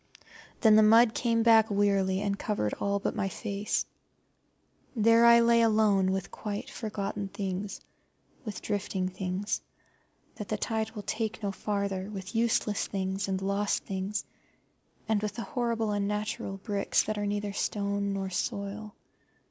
Then the mud came back wearily and covered all but my face. There I lay alone with quite forgotten things, with drifting things that the tides will take no farther, with useless things and lost things, and with the horrible unnatural bricks that are neither stone nor soil.